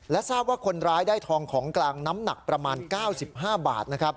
ทราบว่าคนร้ายได้ทองของกลางน้ำหนักประมาณ๙๕บาทนะครับ